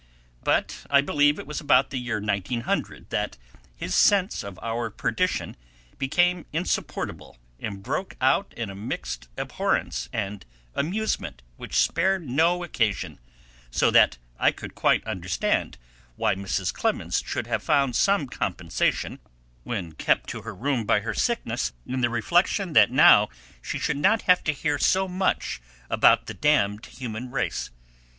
But I believe it was about the year 1900 that his sense of our perdition became insupportable and broke out in a mixed abhorrence and amusement which spared no occasion, so that I could quite understand why Mrs. Clemens should have found some compensation, when kept to her room by sickness, in the reflection that now she should not hear so much about "the damned human race."